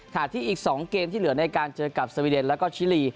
ที่อีก๒เกมที่เหลือในการเจอกับสวีเดนแล้วก็ชิลี